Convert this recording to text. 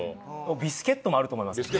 ビスケットもあると思いますよ。